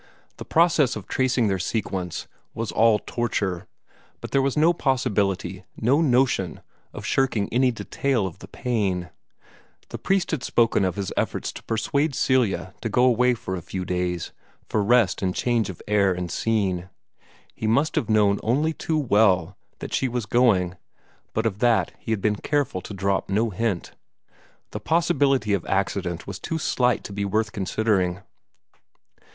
The process of tracing their sequence was all torture, but there was no possibility, no notion, of shirking any detail of the pain. The priest had spoken of his efforts to persuade Celia to go away for a few days, for rest and change of air and scene. He must have known only too well that she was going, but of that he had been careful to drop no hint. The possibility of accident was too slight to be worth considering.